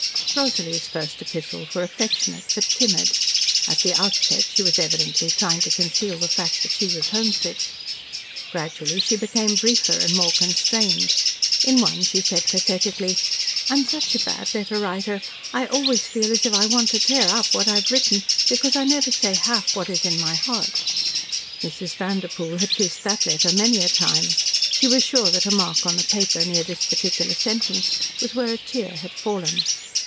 Rosalie's first epistles were affectionate, but timid. At the outset she was evidently trying to conceal the fact that she was homesick. Gradually she became briefer and more constrained. In one she said pathetically, "I am such a bad letter writer. I always feel as if I want to tear up what I have written, because I never say half that is in my heart." Mrs. Vanderpoel had kissed that letter many a time. She was sure that a mark on the paper near this particular sentence was where a tear had fallen.